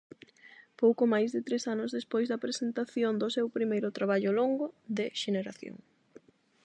Pouco máis de tres anos despois da presentación do seu primeiro traballo longo "De-xeneración".